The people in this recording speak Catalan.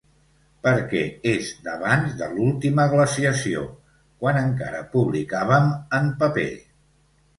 Perquè és d'abans de l'última glaciació, quan encara publicàvem en paper.